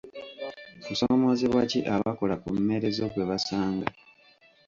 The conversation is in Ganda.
Kusoomoozebwa ki abakola mu mmerezo kwe basanga?